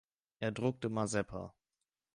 Er druckte Mazeppa.